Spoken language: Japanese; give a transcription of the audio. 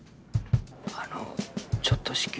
あのちょっと至急